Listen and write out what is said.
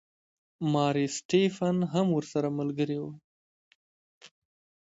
ماري سټیفن هم ورسره ملګرې وه.